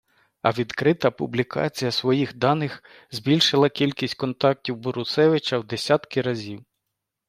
А відкрита публікація своїх даних збільшила кількість контактів Борусевича в десятки разів.